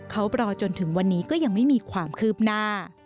เขารอจนถึงวันนี้ก็ยังไม่มีความคืบหน้า